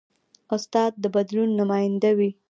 استاد د بدلون نماینده وي.